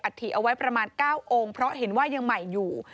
ถิเอาไว้ประมาณ๙องค์เพราะเห็นว่ายังใหม่อยู่